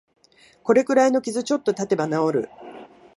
これくらいの傷、ちょっとたてば治る